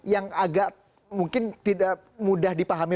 yang agak mungkin tidak mudah dipahami